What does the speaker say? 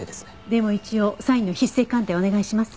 でも一応サインの筆跡鑑定お願いします。